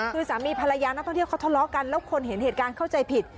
คือสามีภรรยานักท่องเที่ยวเขาทะเลาะกันแล้วคนเห็นเหตุการณ์เข้าใจผิด